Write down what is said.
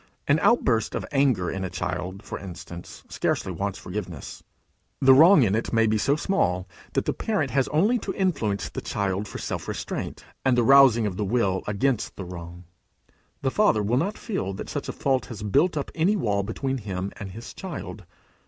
An outburst of anger in a child, for instance, scarcely wants forgiveness. The wrong in it may be so small, that the parent has only to influence the child for self restraint, and the rousing of the will against the wrong. The father will not feel that such a fault has built up any wall between him and his child.